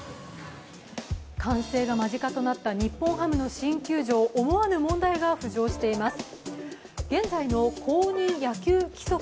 完成が間近となった日本ハムの新球場、思わぬ問題が浮上しています。